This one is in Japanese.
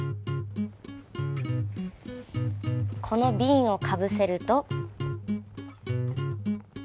このビンをかぶせると。